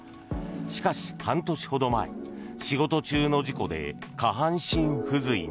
しかし、半年ほど前仕事中の事故で下半身不随に。